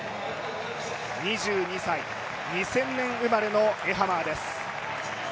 ２２歳、２０００年生まれのエハマーです。